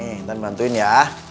nih ntans bantuin ya